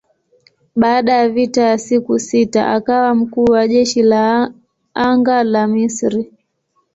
Baada ya vita ya siku sita akawa mkuu wa jeshi la anga la Misri.